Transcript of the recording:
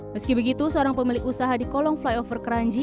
meski begitu seorang pemilik usaha di kolong flyover keranji